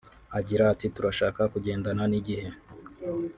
Agira ati “Turashaka kugendana n’igihe